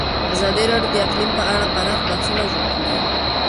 ازادي راډیو د اقلیم په اړه پراخ بحثونه جوړ کړي.